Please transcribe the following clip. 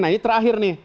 nah ini terakhir nih